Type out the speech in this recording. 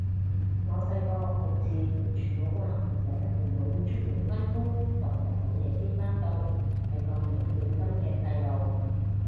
我細個好似完全冇話唔捨得父母要出門口返工或者好夜先返到，係個冇本心嘅細路